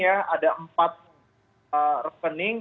ada empat rekening